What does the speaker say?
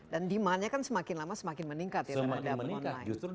dan demandnya kan semakin lama semakin meningkat ya